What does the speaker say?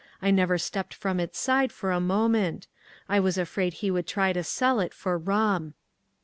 I never stepped from its side for a moment. I was afraid he would try to sell it for rum!"